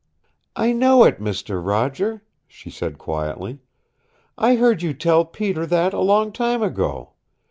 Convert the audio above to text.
"I know it, Mister Roger," she said quietly. "I heard you tell Peter that a long time ago.